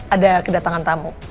ada kedatangan tamu